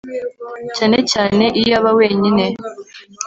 cyane cyane iyo aba wenyine